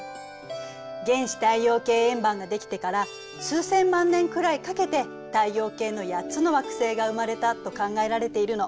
原始太陽系円盤ができてから数千万年くらいかけて太陽系の８つの惑星が生まれたと考えられているの。